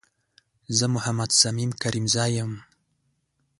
زه محمد صميم کريمزی یم